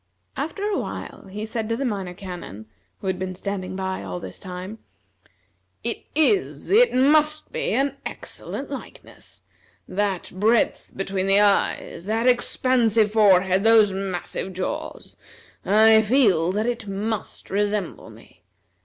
After a while he said to the Minor Canon, who had been standing by all this time: "It is, it must be, an excellent likeness! That breadth between the eyes, that expansive forehead, those massive jaws! I feel that it must resemble me.